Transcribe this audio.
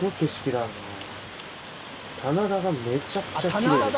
棚田がめちゃくちゃきれいです。